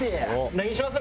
何にします？